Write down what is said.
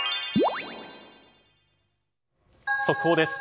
速報です。